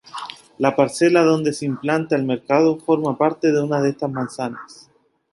La parcela donde se implanta el mercado forma parte de una de estas manzanas.